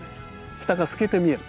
下が透けて見える